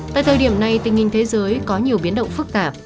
tại thời điểm này tình hình thế giới có nhiều biến động phức tạp